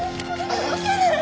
ほどけない！